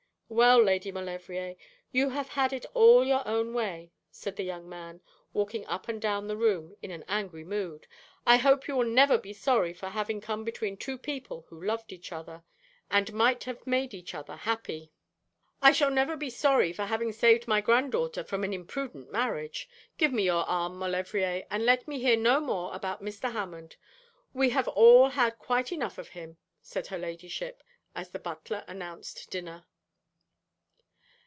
'Well, Lady Maulevrier, you have had it all your own way,' said the young man, walking up and down the room in an angry mood. 'I hope you will never be sorry for having come between two people who loved each other, and might have made each other happy.' 'I shall never be sorry for having saved my granddaughter from an imprudent marriage. Give me your arm, Maulevrier, and let me hear no more about Mr. Hammond. We have all had quite enough of him,' said her ladyship, as the butler announced dinner.